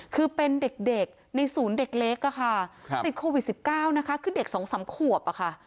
คือเป็นเด็กในศูนย์เด็กเล็กค่ะติดโควิด๑๙นะคะคือเด็กสองสามขวบอะค่ะ